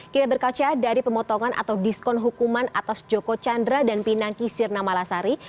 kita berkaca dari pemotongan atau diskon hukuman atas joko chandra dan pinangki sirna malasari